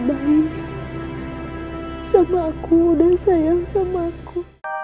baik sama aku udah sayang sama aku